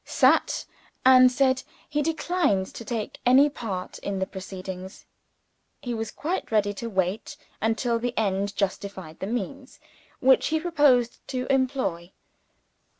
sat and said, he declined to take any part in the proceedings. He was quite ready to wait, until the end justified the means which he proposed to employ.